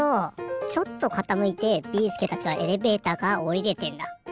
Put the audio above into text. ちょっとかたむいてビーすけたちはエレベーターからおりれてんだ。